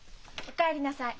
お帰りなさい。